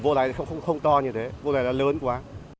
vụ đấy thì không to như thế vụ đấy là lớn quá